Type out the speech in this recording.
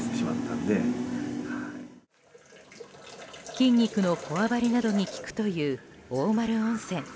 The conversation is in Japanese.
筋肉のこわばりなどに効くという大丸温泉。